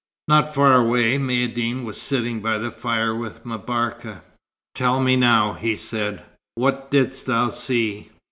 Not far away Maïeddine was still sitting by the fire with M'Barka. "Tell me now," he said. "What didst thou see?"